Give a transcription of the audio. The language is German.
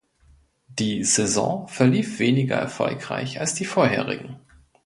Die Saison verlief weniger erfolgreich als die vorherigen.